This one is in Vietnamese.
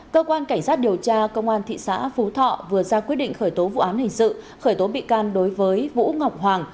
cơ quan cảnh sát điều tra công an thị xã phú thọ vừa ra quyết định khởi tố vụ án hình sự khởi tố bị can đối với vũ ngọc hoàng